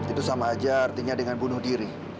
itu sama aja artinya dengan bunuh diri